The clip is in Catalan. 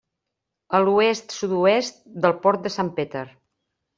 A l'oest sud-oest del Port de Sant Peter.